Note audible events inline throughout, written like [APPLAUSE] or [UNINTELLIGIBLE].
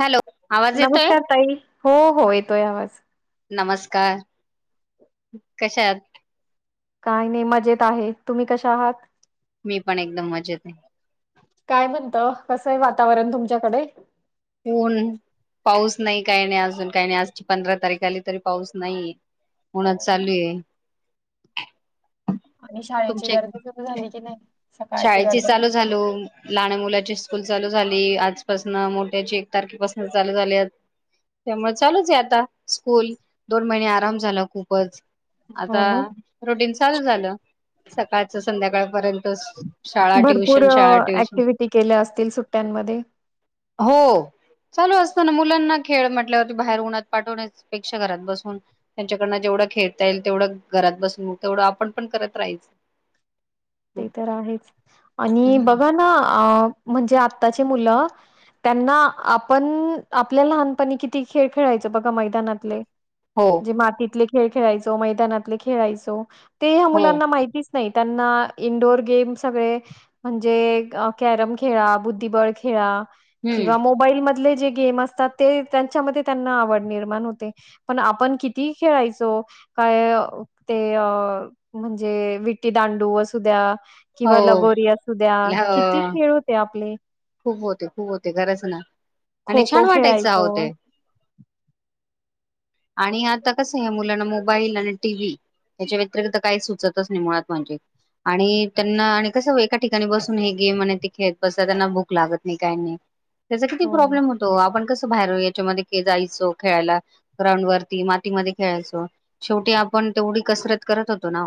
Hello. आवाज येतोय नमस्कार ताई. हो हो येतोय आवाज. नमस्कार कशा आहात. काही नाही मजेत आहे तुम्ही कशा आहात. मी पण एकदम मजेत आहे. काय म्हणत कस हाय वातावरण तुमच्याकडे. ऊन पाऊस नाही काही नाही अजून काही नाही आज पंधरा तारीख आली तरी पाऊस नाही. ऊनच हो ना. चालू आहे. आणि शाळेची तुमच्या गर्दी सुरू झाली की नाही सकाळची शाळेची गडबड. चालू झालो लहान मुलाची. स्कूल चालू झाली आजपासनं त्याची एक तारखेपासून चालू झाली त्यामुळे चालूच आहे आता स्कूल दोन महिने आराम झाला खूपच हो आता ना रुटीन सुरु चालू झालं सकाळच संध्याकाळपर्यंत शाळा भरपूर ट्युशन शाळा ट्युशन ऍक्टिव्हटी केल्या असतील सुट्ट्यांमध्ये हो चालू असत ना मुलांना खेळ म्हटल्यावरती बाहेर उन्हात पाठवण्यापेक्षा घरात बसून त्यांच्याकडन जेवढं खेळता येईल तेवढं घरात बसून तेवढं आपण पण करत राहायचं ते तर आहेच आणि हं, बघा ना अ म्हणजे आत्ताचे मुलं त्यांना आपण आपल्या लहानपणी किती खेळ खेळायचं बघा मैदानातले हो म्हणजे मातीतले खेळ खेळायचो मैदानातले खेळायचो ते ह्या हो मुलांना माहिती नाही त्यांना इंडोअर गेम सगळे म्हणजे कॅरम खेळा बुद्धिबळ खेळा हम्म किंवा मोबाईल त त्यां आवड निर्माण होते पण आपण किती खेळायचो म्म्हणजे विटी दांडू असतो असुद्या हो किंवा लगोरीि असू द्या किती अ, खेळ होते आपले खूप होते खूप होते खरंच ना आणि खो खो छान वाटायचं खेळायचो आहो ते आणि आता कसं या मुलांना मोबाईल आणि टीव्ही याच्या व्यतिरिक्त काही सुचतच नाही मुळात म्हणजे आणि त्यांना आणि कसं एका ठिकाणी बसून हे गेम आणि ते खेळत बसत त्यांना भूक लागत नाही काही नाही त्याचा किती हो. प्रॉब्लेम होतो आपण कस बाहेर याच्यामध्ये जायचो खेळायला ग्राउंड वरती मातीमध्ये खेळायचो शेवटी आपण तेवढी कसरत करत होतो ना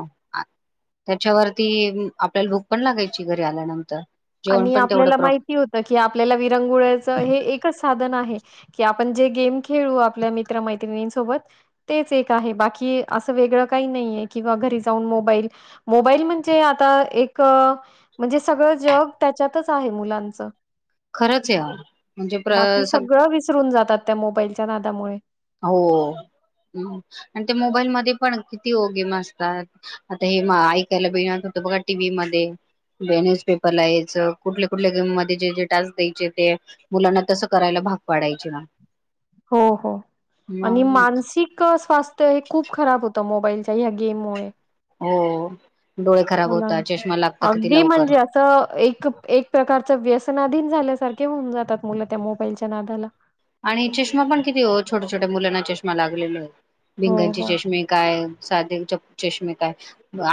त्याच्यावरती आपल्याला भूक पण लागायची घरी आल्यानंतर जेवण आणि पण तेवढं आपल्याला प्र माहिती होत की आपल्याला विरंगुळ्याच हे एकच साधन आहे की आपण जे गेम खेळू आपल्या मित्रमैत्रिणींसोबत तेच एक आहे बाकी असं वेगळं काही नाही आहे किंवा घरी जाऊन मोबाईल मोबाईल म्हणजे आता एक म्हणजे सगळं जग त्याच्यातच आहे मुलांचं खरंच या म्हणजे बाकी सगळं विसरून जातात त्या मोबाईलच्या नादामुळे हो आणि ते मोबाईल मध्ये पण किती गेम असतात आता हे ऐकायला बित होत बघा टीव्ही मध्ये न्यूजपेपरला याच कुठल्या कुठल्या गेम मध्ये जे जे टास्क द्यायचे ते मुलांना तसं करायला भाग पाडायचे ना हो हो आणि मग मानसिक स्वास्थ तर हे खूप खराब होत मोबाईलच्या ह्या गेम मुळे हो डोळे खराब मुलं होतात चष्मा लागता किती अगदी लवकर म्हणजे असं एक प्रकारच व्यसनाधीन झाल्यासारखे होऊन जातात मुलं त्या मोबाईलच्या नादाला आणि चश्मा पण किती हो छोट्या छोट्या मुलांना चष्मा लागलेलो. हो भिंगांची हो. चष्मे काय सादे च चष्मे काय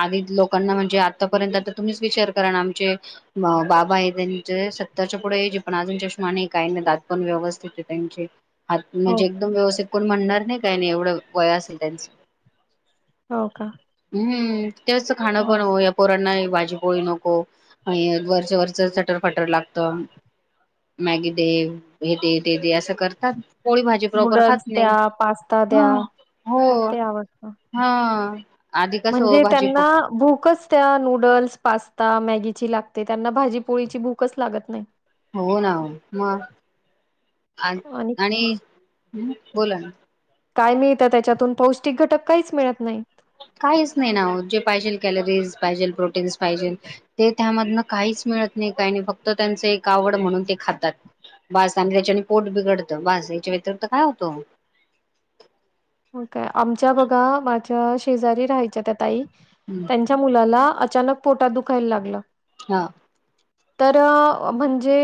आदी लोकांना म्हणजे आतापर्यंत आता तुम्हीच विचार करा ना आमचे बाबा आहे त्यांचे सत्तरचे पुढे एज हे पण अजून चष्मा नाही काय नाही दात पण व्यवस्थित त्यांचे हात हो म्हणजे एकदम व्यवस्थित कोण म्हणणार नाही काही नाही एवढं वय असेल त्यांचा हो का? हम्म. ते असं खाणं मग पण होय पोरांना भाजी पोळी नको आणि हे वरचा-वरचा चटरफटर लागतं मॅगी दे हे दे ते दे असं करतात पोळी भाजी प्रॉपर नूडल्स खात नाही द्या पास्ता हा द्या हो मग ते आवडतं. हा. ह म्हणजे त्यांना भूकच त्या नूडल्स, पास ता मॅगीची लागते त्यांना भाजीपोळीची भूकचं लागत नाही. हो ना हो मग आ आणि हम्म बोला ना. काय मिळतं त्याच्यातून पौष्टिक घटक काहीच मिळत नाही. काहीच नाही ना हो जे पाहिजेल कॅलरीज पाहिजेल, प्रोटीन्स पाहिजेल ते त्यामधनं काहीच मिळत नाही काही नाही फक्त त्यांचे एक आवड म्हणून ते खातात, बास आणि त्याच्याने पोट बिगडतं बास याच्या व्यतरिक्त काय होतो? हो काय आमच्या बघा माझ्या शेजारी राहायच्या त्या ताई हम्म, त्यांच्या मुलाला अ चानक पोटा दुखायला लागला हा तर अ म्हणजे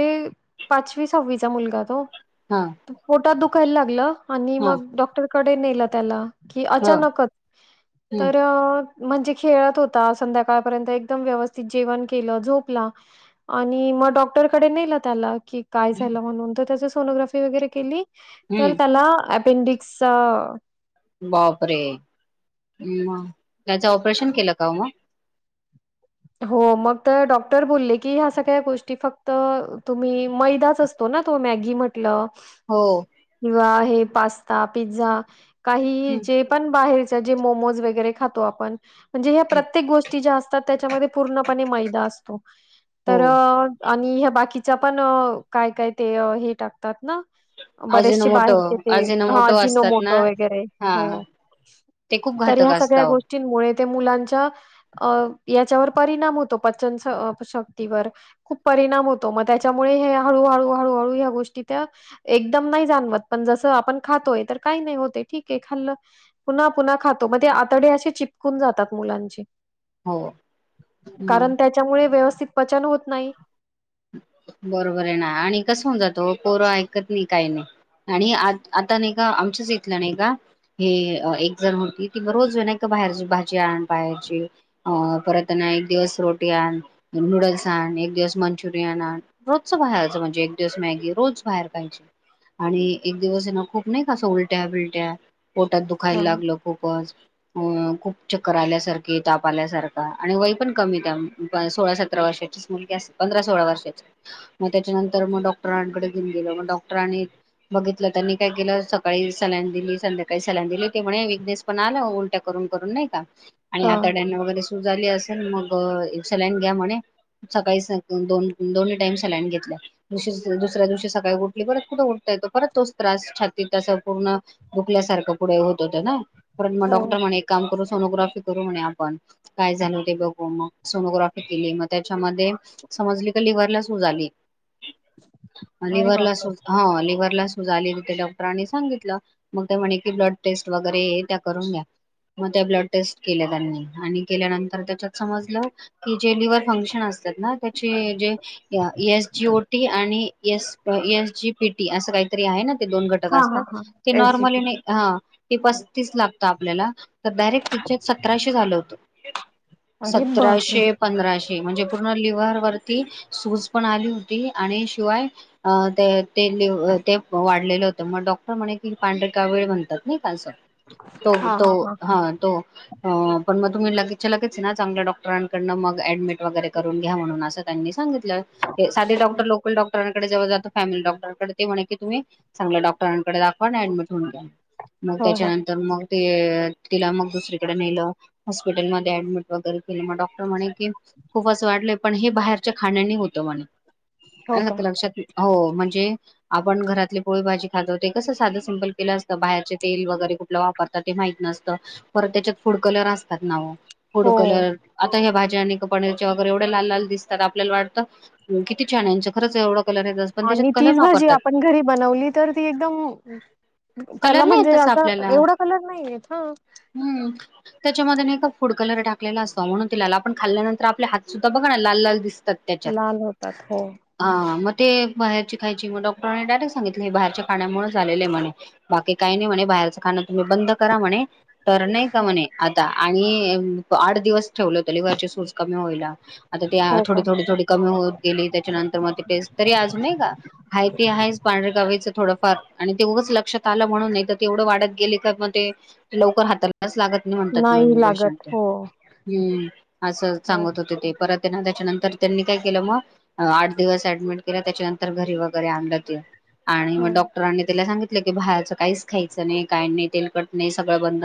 पाचवी सहावीचा मुलगा तो हा पोटात दु खायला लागलं आणि हा मग डॉक्टरक डे नेला त्याला. कि हो अचानकत हम्म तरं म्हणजे खेळत होता संध्याकाळपर्यंत एकदम व्यवस्थित जेवण केलं, झोपला आणि मग डॉक्टरकडे नेलं त्याला की काय झालं म्हणून तो तसचं सोनोग्राफी वगैरे केली तर हम्म त्याला ऐ पेंडिक्स चा बापरे! म त्याचा ऑपरेशन केला का ओ म? हो मग तर डॉक्टर बोलले की ह्या सगळ्या गोष्टी फक्त तुम्ही मैदाच असतो ना तो मॅगी म्हटलं हो [UNINTELLIGIBLE] हे पास्ता पिझ्झा काही जे पण बाहेर च जे मोम्मोज वगैर खातो आपण म्हंजे ह्या प्रत्येक गोष्टीत ज्या अस त्याच्यामध्ये पूर्णपणे मैदा असतो. हो तर अ आणि ह्या बाकीच्या पण काय काय ते हे टाकतात ना बरेचसे अजिनोमोटो बाहेरचे ते हं अजिनोमोटो अजिनो असतात ना मोटो वगैरे हा हो ते खूप तर घातक ह्या सगळ्या असतं गोष्टींमुळे त्या मुलांच्या अ. याच्यावर परिणाम होतो पचन संस शक्तीवर खूप परिणाम होतो. म त्याच्यामुळे हे हळूहळू हळूहळू ह्या गोष्टी त्या एकदम नाही जाणवत, पण जसं आपण खातोय तर काही नाही होते ठीके खाल्लं पुन्हा पुन्हा खातो मग ते आतडे असे चिपकून जातात मुलांचे. अहो हो कारण त्याच्यामुळे व्यवस्थित. पचन होत नाही. बरोबर आहे ना आणि कस होऊन जातो पोर ऐकत नई काही नई आणि आ आता नाही का, आमच्याच इथलं नाही का हे एक जण होती ती म रोज नाही का बाहेर भाजी आण, बाहारची अ परत ना एक दिवस रोटी आण नूडल्स आण एक दिवस मंचु रियन आण रोजच बाहेचं म्हणजे एक दिवस मॅगी रोज बाहेर खायची आणि एक दिवस हे ना खूप नाही का उलट्या बिलट्या पोटात दुखायला ह लागलं खूपचं. अ खूप चक्कर आल्यासारखे ताप आल्यासारखा आणि वय पण कमी त्या सोळा सतरा वर्षाचीच मुलगी असेल पंधरा सोळा वर्षाच्या मग त्याच्यानंतर मग डॉक्टरांकडे घेऊन गेलो मग डॉक्टरांनी बघितलं त्यांनी काय केलं सकाळी सलाईन दिली संध्याकाळी सलाईन दिली ते म्हणे विकनेस पण आलं उलट्या करून करून नाही का आणि आताड्यांना वगैरे सू सुज आली असेल मग एक सलाईन घ्या म्हणे सकाळी सां दोन दोनही टाईम सलाईन घेतल्या दुसऱ्या दिवशी सकाळी उठली, परत कुठं उठता येतो परत तोच त्रास छातीत तस पूर्ण दुखल्यासारखं पुढे होत होतं ना पण म हो डॉक्टर म्हणे एक काम करू सोनोग्राफी करू म्हणे आपणं. काय झाल ते बघू मग सोनोग्राफी केली मग त्याच्यामध्ये समजले का लिव्हरला सुूज आली. अरे लिव्हरला बापरे सुज हं लिव्हरला सू डॉक्टरनी सांगितलं मग म्हणे क ब्लड टेस्ट वगैरे त्या करून द्या मग त्या ब्लड टेस्ट केल्या त्यांनी आणि केल्यानंतर त्याच्यात समजल की जे लिव्हर फंक्शन असतात. जे एस जी ओ टी आणि स एस जी पीटी असं काहीतरी आहे ना ते दोन घटक हा हा असतात हा ते एस जी नॉर्मली ने पी हा त लागत आपल्याला तर डायरेक्ट तिच्यात सतराशे झालं होतं. अरे बापरे सतराशे पंधराशे म्हणजे पूर्ण लिव्हर वरती सूज पण आली होती आणि शिवाय ते पण वाढलेलं होत मग डॉक्टर म्हणे कि पांढरी काविळ म्हणतात. तो तो हा तो पण म तुम्ही लगेचच्या लगेच ना चांगल्या डॉक्टरकडून मग ऍडमिट वगैरे करन घ्या म्हणे त्यांनी सांगितले. साधे डॉक्टर लोकल डॉक्टर डॉक्टर जात फॅमिली डॉक्टरकडे ते म्हणे कि तुम्ही चगल्या डॉक्टरांकडे दाखवा आणि ऍडमिट होऊन घ्या. मग हो हो त्याच्यानंतर मग ते तिला मग दुसरीकडे नेलं हॉस्पिटलांमध्ये ऍडमिट वगैरे मग डॉक्टर म्हणे की खूप वाढले पण हे बाहेरच्या खाण्यानी होत म्हणे हो का आणि लक्षात हो म्हणजे आपण घरातली पोळी भाजी खातो ते कसं साधं सिपल केलं असतं बाहेरचे तेल वगैरे कुठलं वापरतात ते माहित नसतं परत त्याच्यात फूड कलर असतात ना फुड हो कलर आता ह्या भाजी एवढं लाल लाल दिसत आपल्याला वाटतं किती छान न्यांचं खरंच एवढं कलर येत पण आणि त्याच्यात कलर तीच भाजी वापरतात आपण घरी बनवली तर ती एकदम कलर त्याला नाही म्हणजे तसा असा आपल्याला एवढा कलर नाही येत हा हम् त्याच्यामध्ये नाही फूड कलर टाक टाकलेला असेतात आपण खल्ल्यानंतर आप हात सुद्धा बघा ना लाल लाल दिस अ त्याच्यात लाल होतात हो हा म ते बाहेरची खायची मग डॉक्टरांनी डायरेक्ट सांगितले बाहेरच्या खाण्यामुळे झा आले म्हणे बाकी काही नाही म्हणे बाहेरचं खाण तुम्ही बंद करा म्हणे तर नाही का म्हणे आता आणि, आठ दिवस ठेवलं हो लिवरची सूज कमी होईला आता ती हो का थोडी थोडी थोडी कमी होत गेली त्याच्यानंतर मग त टेस्ट तरी अजून का आहे त आहेच पांढरे गावीचं थोडंफार आणि ते उगच लक्षात म्हणून नाही तर तेवढं वाढत गेले का मग ते लवकर हाताला लागत नाही म्हणतात नाही लागत पेशंट हो हम्म असं हो सांगत होते ते परत त्याच्यानंतर त्यांनी काय केलं मग आठ दिवस ऍडमिट केला त्याच्यानंतर घरी वगैरे आणलं ते आणि मग हम्म डॉक्टरांनी त्याला सांगितले. भाहेचं काहीच खायचं नाही काही नाही तेलकट नाही सगळं बंद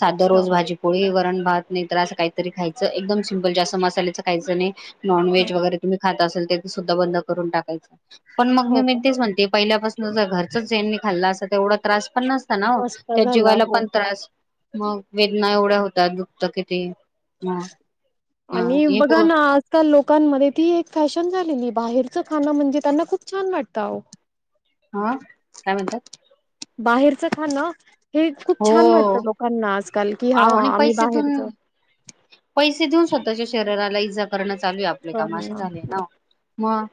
साध्या हो रोज भाजीपोळी वरण भात नाही तर असं काहीतरी खायचं एकदम सिम्पल जास्त मसाल्याच खायचं नाही हो नॉव्जगैरेुम्ही खाता असल सुद्धा बंद करून टाकायच. पण मग मी हो का मिणतेच म्हणते पहिल्यापासून ज घरच जेनी खाल्लं अस तेवढ त्र पन्नासता ना हो मस्त त्या झाला जीवायला हो पण त्रास मग वेदना एवढ्या होतात दुपत किती हा हा आणि हे बघा पोर ना आजकाल लोकांमध्ये ती एक फॅशन झालेली बाहेर खाण म्हणजे त्यांना खूप छान वाटतं. हा काय म्हणतात बाहेरचं खा ना हे खूप हो छान वाटतं लोकांना आजकाल कि हा आव आणि आम्ही बाहेर पैसेतून जाऊ पैसे देऊन [UNINTELLIGIBLE] करणं चालू आहे आपले काम असं झालेय ना मग,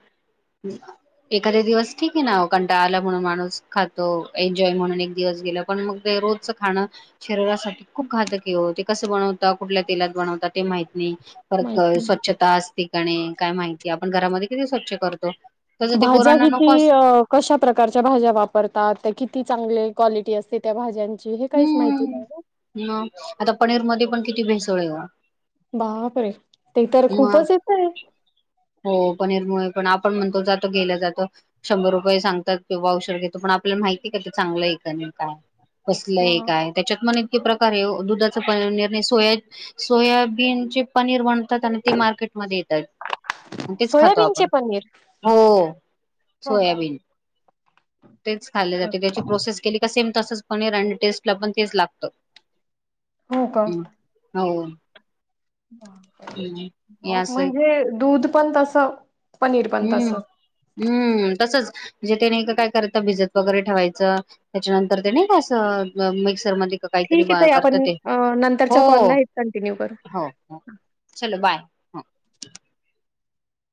एखादे दिवस ठीके ना ओ कंटाळा आला म्हणून माणूस खातो एन्जॉय म्हणून एक दिवस गेला पण मग ते रोजच खाणं शरीरासाठी खूप घातक ते कसं बनवता कुठल्या तेलात बनवता ते माहित नाही परत माहिती स्वच्छता ठिकाणी काय माहिती आपण घरामध्ये किती स्वच्छ करतो तसं ते भाज्या पोरांना किती नकोच कशा प्रकारच्या भाज्या वापरतात त्या किती चांगले क्वालिटी असते त्या भाज्यांची हे काहीच माहिती नाही ना. हम्म ह आता पनीर मध्ये पण किती भेसळ आहे ओ बापरे ते तर म खूपच येतंय. हो पनीर मुळे पण आपण म्हणतो जातो गेला जातो शंभर रुपये सांगतात किंवा औषध घेतो पण आपल्याला माहितीय का ते चांगलं आहे नाही काय कसलं एक मग आहे त्याच्यात पण एक किती प्रकारे ओ दुधाच पनीर आणि सोया सोयाबीनचे पनीर बन तात आणि ते मार्केटमध्ये येताय तेच खातो सोयाबीनचे आपण, पनीर. हो हो का? सोयाबीन तेच खाल् जात त्याची प्रोसेस केली का सेम तसच पनीर आणि टेस्ट ला पण तेच लागतं हो का? ह् हो [UNINTELLIGIBLE] या असं म्हणजे दूध पण तस हम्म हम्म तसच म्हणजे त्याने काय कय भिजत वगैरे ठेवायचं त्याच्यानंतर ते नाही का असं मिक्स मध्ये का काहीतरी ठीक आहे ताई करता आपण ते अ, हो नंतरच्या कॉलला हे कंटिन्यू करू. हो चलो बाय हा